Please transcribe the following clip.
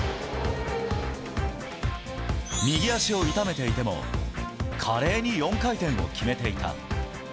右足を痛めていても華麗に４回転を決めていた。